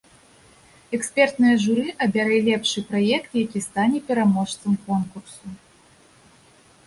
Экспертнае журы абярэ лепшы праект, які і стане пераможцам конкурсу.